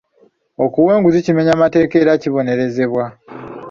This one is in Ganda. Okuwa enguzi kimenya mateeka era kibonerezebwa.